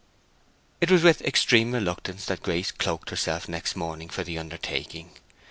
It was with extreme reluctance that Grace cloaked herself next morning for the undertaking.